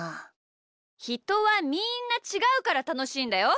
ひとはみんなちがうからたのしいんだよ。